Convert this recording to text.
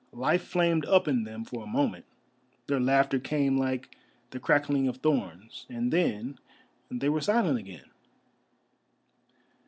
Life flamed up in them for a moment, their laughter came like the crackling of thorns, and then they were silent again.